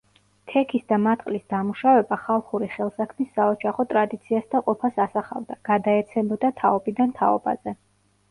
თექის და მატყლის დამუშავება ხალხური ხელსაქმის საოჯახო ტრადიციას და ყოფას ასახავდა, გადაეცემოდა თაობიდან თაობაზე.